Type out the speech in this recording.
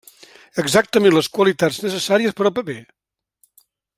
Exactament les qualitats necessàries per al paper.